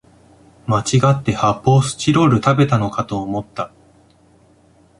まちがって発泡スチロール食べたのかと思った